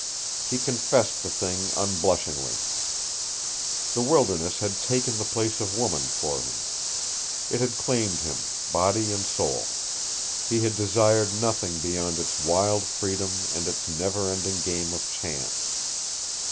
He confessed the thing unblushingly. The wilderness had taken the place of woman for him. It had claimed him, body and soul. He had desired nothing beyond its wild freedom and its never ending games of chance.